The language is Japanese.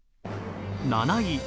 ７位、＃